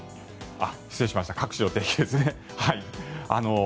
失礼しました各地の天気図ですね。